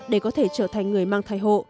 để có thể trở thành người mang thai hộ